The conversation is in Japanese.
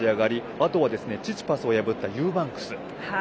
あとはチチパスを破ったユーバンクスですね。